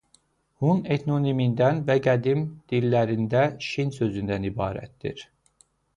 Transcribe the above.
Hun etnonimindən və qədim dillərində şin sözündən ibarətdir.